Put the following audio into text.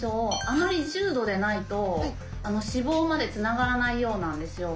あまり重度でないと死亡までつながらないようなんですよ。